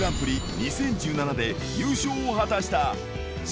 ２０１７で優勝を果たした。